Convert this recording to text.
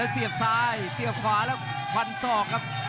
เสียบซ้ายเสียบขวาแล้วฟันศอกครับ